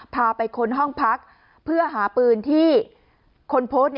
พาไปค้นห้องพักเพื่อหาปืนที่คนโพสต์